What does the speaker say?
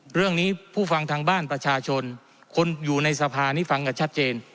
เรื่องนี้ผู้ฟังทางบ้านประชาชนคนอยู่ในสภานี้ฟังกันชัดเจน